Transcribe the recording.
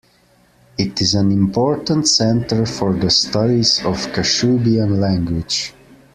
It is an important centre for the studies of Kashubian language.